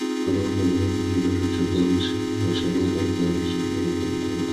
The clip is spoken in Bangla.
কালপ্রভাবে ব্রাহ্মণাদি বর্ণও শূদ্রের নিম্নাসনে সমানীত হইতেছে এবং শূদ্রজাতিও উচ্চস্থানে উত্তোলিত হইতেছে।